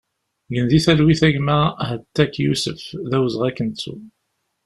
Gen di talwit a gma Hettak Yusef, d awezɣi ad k-nettu!